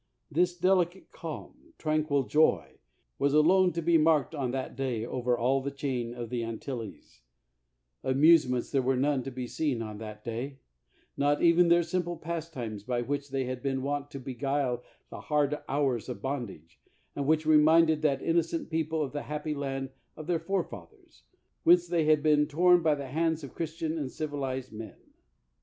This delicate, calm, tranquil joy was alone to be marked on that day over all the chain of the Antilles. 141 THE WORLD'S FAMOUS ORATIONS Amusements there were none to be seen on that day — not even their simple pastimes by which they had been wont to be^ile the hard hours of bondage, and which reminded that innocent people of the happy land of their forefathers, whence they had been torn by the hands of Christian and civilized men.